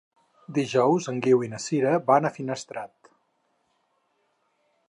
Dijous en Guiu i na Sira van a Finestrat.